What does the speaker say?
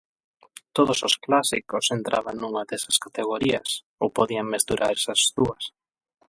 Todos os clásicos entraban nunha desas categorías ou podía mesturar esas dúas.